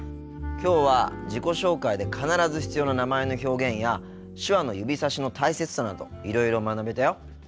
きょうは自己紹介で必ず必要な名前の表現や手話の指さしの大切さなどいろいろ学べたよ。